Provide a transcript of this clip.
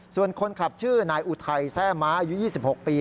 ส่วนคนขับชื่อนายอุทัยแทรกเกลยุทธ์๒๖ปี